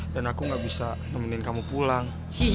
dan aku gak bisa nemenin kamu pulang